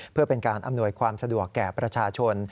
เพื่อเป็นการอำนวยความสะดวกแก่ประชาชน